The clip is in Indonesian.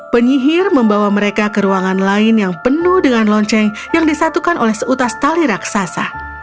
penyihir membawa mereka ke ruangan lain yang penuh dengan lonceng yang disatukan oleh seutas tali raksasa